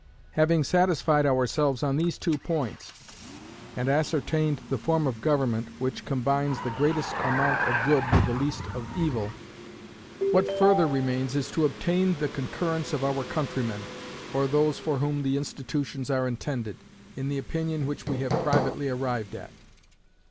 Having satisfied ourselves on these two points, and ascertained the form of government which combines the greatest amount of good with the least of evil, what further remains is to obtain the concurrence of our countrymen, or those for whom the institutions are intended, in the opinion which we have privately arrived at.